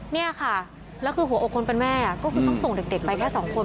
นี่ค่ะแล้วคือหัวอกคนเป็นแม่ก็คือต้องส่งเด็กไปแค่สองคน